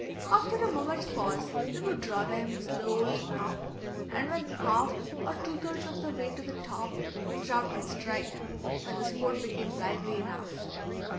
After a moment's pause we would draw them slowly up, and when half or two thirds of the way to the top the trout would strike, when the sport became lively enough.